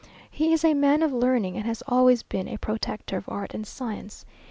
He is a man of learning, and has always been a protector of art and science.